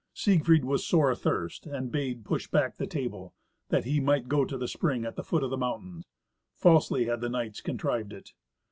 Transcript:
Siegfried was sore athirst and bade push back the table, that he might go to the spring at the foot of the mountain. Falsely had the knights contrived it.